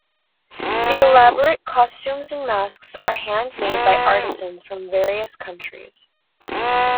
The elaborate costumes and masks are handmade by artisans from various countries.